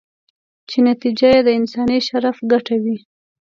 چې نتیجه یې د انساني شرف ګټه وي.